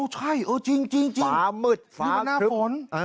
ใช่เออจริงฟ้ามืดฟ้าคลิป